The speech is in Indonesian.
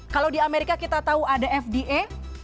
kalau di amerika kita tahu ada fda